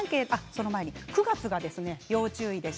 ９月が要注意です。